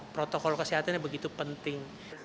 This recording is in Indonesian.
protokol kesehatan yang begitu penting